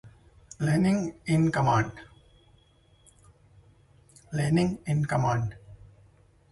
Laning in command.